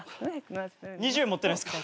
２０円持ってないっすか？